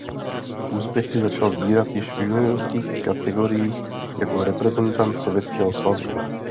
Úspěchy začal sbírat již v juniorských kategoriích jako reprezentant Sovětského svazu.